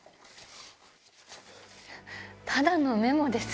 ただのメモです。